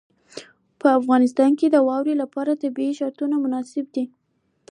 په افغانستان کې د واوره لپاره طبیعي شرایط مناسب دي.